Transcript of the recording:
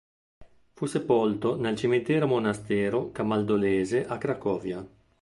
Fu sepolto nel cimitero monastero camaldolese a Cracovia.